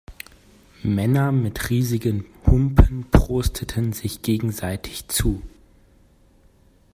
Männer mit riesigen Humpen prosteten sich gegenseitig zu.